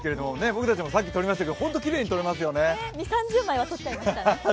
僕たちもさっき写真撮りましたが本当にきれいに撮れますよね。